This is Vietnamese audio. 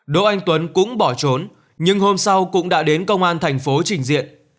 đỗ anh tuấn cũng bỏ trốn nhưng hôm sau cũng đã đến công an thành phố trình diện